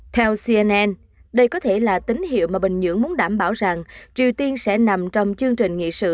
theo cnn đây có thể là tín hiệu mà bình nhưỡng muốn đảm bảo rằng triều tiên sẽ nằm trong chương trình nghị sự